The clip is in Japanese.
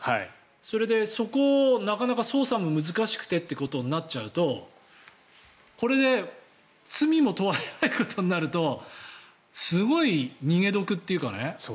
それでそこ、なかなか捜査も難しくてとなっちゃうとこれで罪にも問われないことになるとすごい逃げ得というかね。